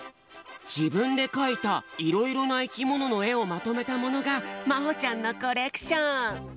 じぶんでかいたいろいろないきもののえをまとめたものがまほちゃんのコレクション。